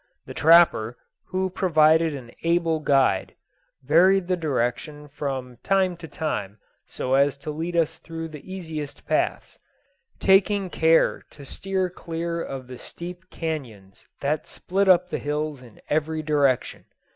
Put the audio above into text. The trapper, who proved an able guide, varied the direction from time to time so as to lead us through the easiest paths, taking care to steer clear of the deep canones that split up the hills in every direction.